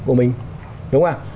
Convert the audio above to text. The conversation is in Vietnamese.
đúng không ạ